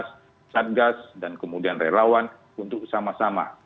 bersama babinsa babimkattikmas satgas dan kemudian relawan untuk sama sama